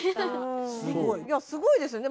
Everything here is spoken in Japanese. いやすごいですよね